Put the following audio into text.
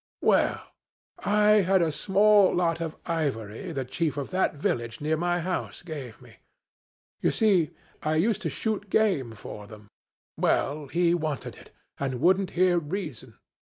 'Well, I had a small lot of ivory the chief of that village near my house gave me. You see I used to shoot game for them. Well, he wanted it, and wouldn't hear reason.